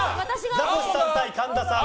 ザコシさん対神田さん。